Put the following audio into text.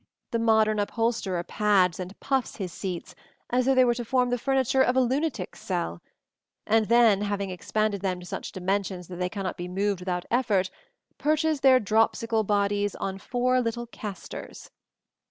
The modern upholsterer pads and puffs his seats as though they were to form the furniture of a lunatic's cell; and then, having expanded them to such dimensions that they cannot be moved without effort, perches their dropsical bodies on four little casters.